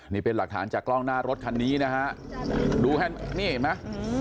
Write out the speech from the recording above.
นี้เป็นหลักฐานจากกล้องหน้ารถคันนี้นะฮะนี่เห็นมั้ย๙๐มาร์